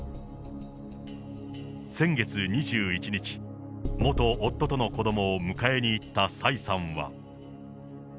先月２１日、元夫との子どもを迎えに行った蔡さんは。